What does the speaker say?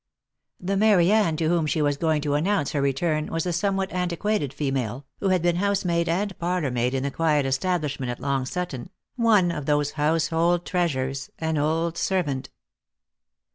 The Mary Anne to whom she was going to announce her return was a somewhat antiquated female, who had been housemaid and parlourmaid in the quiet establishment at Long Sutton; one of those household treasures, an old servant.